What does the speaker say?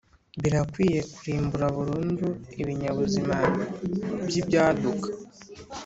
Birakwiye kurimbura burundu ibinyabuzima by’ibyaduka